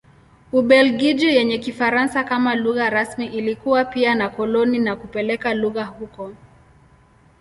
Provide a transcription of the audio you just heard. Ubelgiji yenye Kifaransa kama lugha rasmi ilikuwa pia na koloni na kupeleka lugha huko.